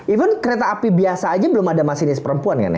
even kereta api biasa aja belum ada masinis perempuan kan ya